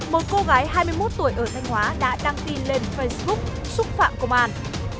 một cô gái hai mươi một tuổi ở thanh hóa đã đăng tin lên facebook xúc phạm công an